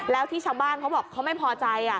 แล้วที่ชาวบ้านเขาบอกเขาไม่พอใจ